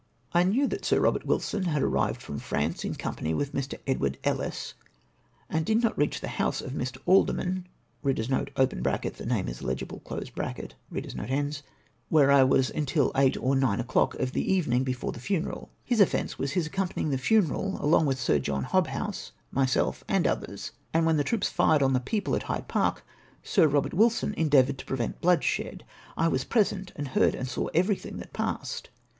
" I knew that Sir Eobert Wilson had arrived from France in company with Mr. Edward Ellice, and did not reach tbe house of Mr. Alderman (the name is illegible) where I was until eight or nine o'clock of the evening before tbe funeral. His offence was his accompanying tbe funeral along with Sir John Hobbouse, myself, and others ; and when tbe troops fired on tbe people at Hyde Park, Sir Eobert Wilson endeavoured to prevent bloodshed. I was present, and heard and saw everything that passed.